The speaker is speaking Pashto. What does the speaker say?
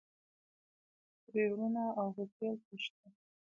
پریړونه او هوسۍ هلته شته.